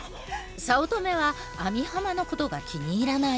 早乙女は網浜のことが気に入らない。